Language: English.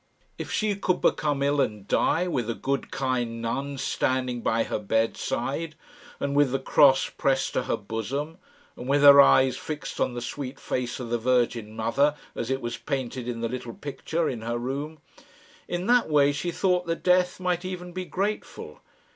If she could become ill and die, with a good kind nun standing by her bedside, and with the cross pressed to her bosom, and with her eyes fixed on the sweet face of the Virgin Mother as it was painted in the little picture in her room in that way she thought that death might even be grateful.